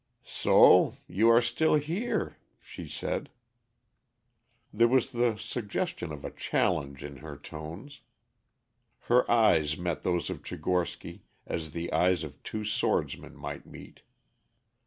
"So you are still here!" she said. There was the suggestion of a challenge in her tones. Her eyes met those of Tchigorsky as the eyes of two swordsmen might meet.